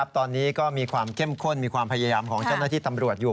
ตอนนี้ก็มีความเข้มข้นมีความพยายามของเจ้าหน้าที่ตำรวจอยู่